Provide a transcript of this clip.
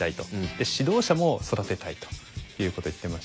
で指導者も育てたいということを言ってましたね。